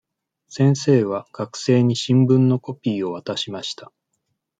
先生は学生に新聞のコピーを渡しました。